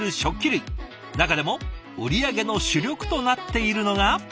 中でも売り上げの主力となっているのが。